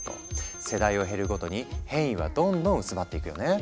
世代を経るごとに変異はどんどん薄まっていくよね。